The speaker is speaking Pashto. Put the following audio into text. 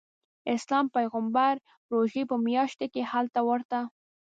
اسلام پیغمبر روژې په میاشت کې هلته ورته.